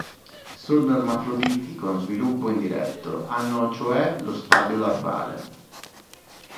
Sono ermafroditi con sviluppo indiretto, hanno cioè lo stadio larvale.